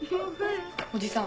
おじさん。